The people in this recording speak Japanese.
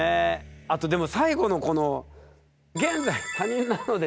あとでも最後のこの現在「他人なので」。